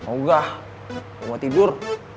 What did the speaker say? oh gak gue mau tidur